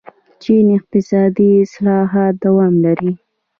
چین اقتصادي اصلاحات دوام لري.